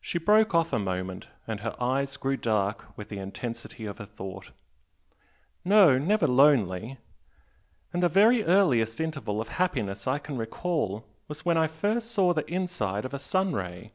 She broke off a moment, and her eyes grew dark with the intensity of her thought "No never lonely! And the very earliest 'interval' of happiness I can recall was when I first saw the inside of a sun ray!"